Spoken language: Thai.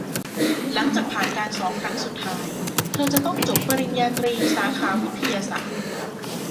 หลังจากผ่านการสอบครั้งสุดท้ายเธอจะต้องจบปริญญาตรีสาขาวิทยาศาสตร์